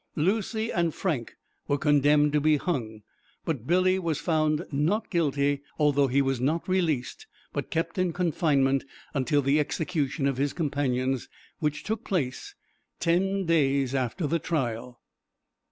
Lucy and Frank were condemned to be hung, but Billy was found not guilty; although he was not released, but kept in confinement until the execution of his companions, which took place ten days after the trial.